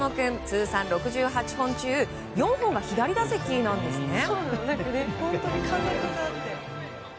通算６８本中４本が左打席なんですね。